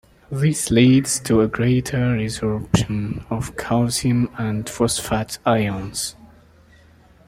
This leads to a greater resorption of calcium and phosphate ions.